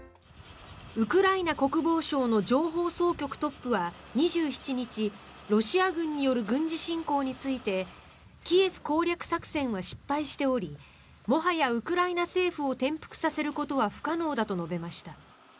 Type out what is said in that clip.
ウクライナ国防省の情報総局トップは２７日ロシア軍による軍事侵攻についてキエフ攻略作戦は失敗しておりもはやウクライナ政府を転覆させることは不可能だと述べました。